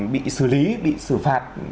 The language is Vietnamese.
bị xử lý bị xử phạt